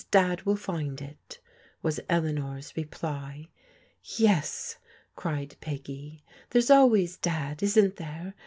Dad will find it," was Eleanor's reply. " Yes," cried Peggy, " there's always Dad, isn't there